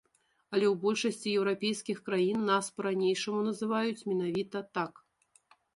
Але ў большасці еўрапейскіх краін нас па-ранейшаму называюць менавіта так.